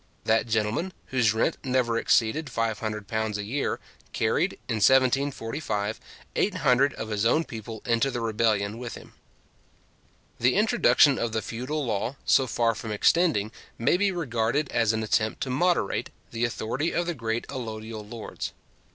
That gentleman, whose rent never exceeded £500 a year, carried, in 1745, 800 of his own people into the rebellion with him. The introduction of the feudal law, so far from extending, may be regarded as an attempt to moderate, the authority of the great allodial lords.